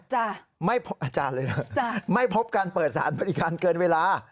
จ้ะไม่พบอาจารย์เลยเหรอจ้ะไม่พบการเปิดสารบริการเกินเวลา